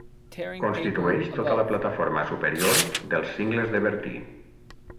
Constitueix tota la plataforma superior dels Cingles de Bertí.